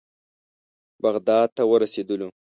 بغداد ته ورسېدلو.